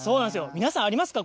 皆さん、ありますか？